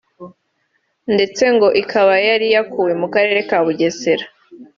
ndetse ngo ikaba yari yakuwe mu karere ka Bugesera